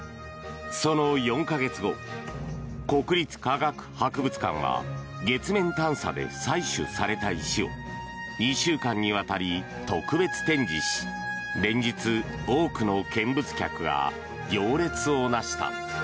その４か月後、国立科学博物館は月面探査で採取された石を２週間にわたり特別展示し連日、多くの見物客が行列をなした。